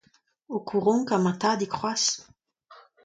O kouronkañ emañ Tadig c'hoazh.